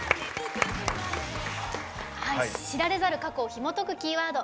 知られざる過去をひもとくキーワード